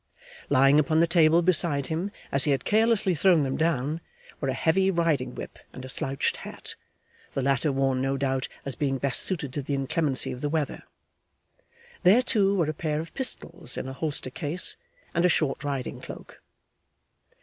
Lying upon the table beside him, as he had carelessly thrown them down, were a heavy riding whip and a slouched hat, the latter worn no doubt as being best suited to the inclemency of the weather. There, too, were a pair of pistols in a holster case, and a short riding cloak.